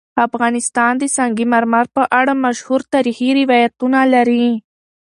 افغانستان د سنگ مرمر په اړه مشهور تاریخی روایتونه لري.